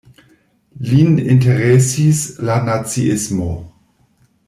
Lin interesis la Naziismo.